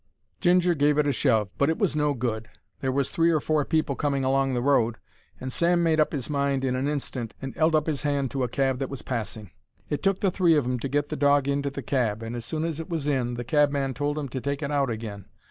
Ginger gave it a shove, but it was no good. There was three or four people coming along the road, and Sam made up 'is mind in an instant, and 'eld up his 'and to a cab that was passing. It took the three of 'em to get the dog into the cab, and as soon as it was in the cabman told 'em to take it out agin.